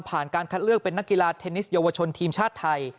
การคัดเลือกเป็นนักกีฬาเทนนิสเยาวชนทีมชาติไทย